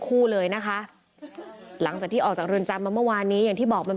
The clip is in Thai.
คู่เลยนะคะหลังจากที่ออกจากเรือนจำมาเมื่อวานนี้อย่างที่บอกมัน